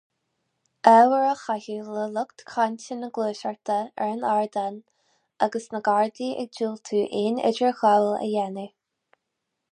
Ábhar á chaitheamh le lucht cainte na Gluaiseachta ar an ardán agus na Gardaí ag diúltú aon idirghabháil a dhéanamh.